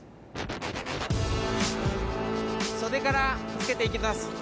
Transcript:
袖からつけて行きます。